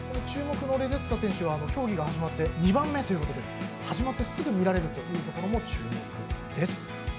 注目のレデツカ選手は競技が始まって２番目ということで始まってすぐ見られるということも注目です。